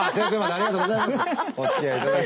ありがとうございます。